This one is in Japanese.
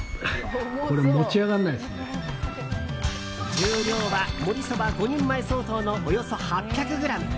重量はもりそば５人前相当のおよそ８００ｇ。